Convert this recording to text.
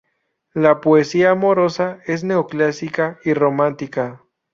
La poesía amorosa es neoclásica y romántica.